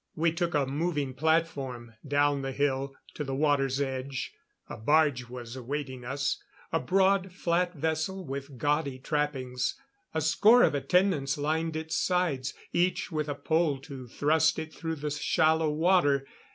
We took a moving platform, down the hill, to the water's edge. A barge was awaiting us a broad flat vessel with gaudy trappings. A score of attendants lined its sides, each with a pole to thrust it through the shallow water.